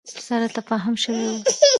سره تفاهم شوی ؤ